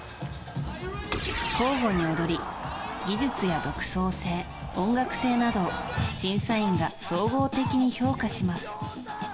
交互に踊り技術や独創性、音楽性など審査員が総合的に評価します。